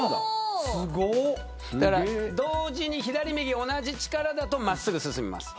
同時に左右同じ力だと真っすぐ進みます。